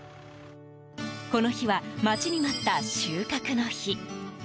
この日は待ちに待った収穫の日。